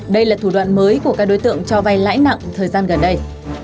đây là thủ đoạn mới của các đối tượng cho vay lãi nặng thời gian gần đây